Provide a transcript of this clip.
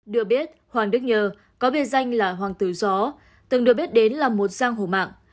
được biết hoàng đức nhờ có bia danh là hoàng tử gió từng được biết đến là một giang hổ mạng